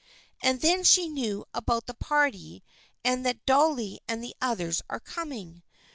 And then she knew about the party and that Dolly and the others are coming.